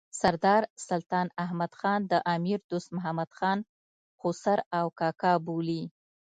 سردار سلطان احمد خان د امیر دوست محمد خان خسر او کاکا بولي.